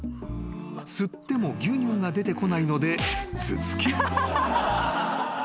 ［吸っても牛乳が出てこないので頭突き］